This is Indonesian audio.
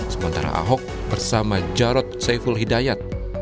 sementara ahok bersama jarod saiful hidayat